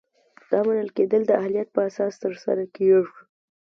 دا منل کیدل د اهلیت په اساس ترسره کیږي.